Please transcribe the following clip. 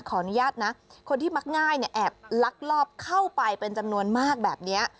ขออนุญาตนะคนที่มักง่ายเนี่ยแอบลักลอบเข้าไปเป็นจำนวนมากแบบนี้